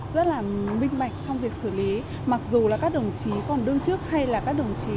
rất là minh bạch trong việc xử lý mặc dù là các đồng chí còn đương chức hay là các đồng chí